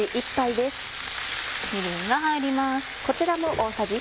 みりんが入ります。